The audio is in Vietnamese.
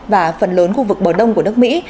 và phần lớn khu vực bờ đông của nước mỹ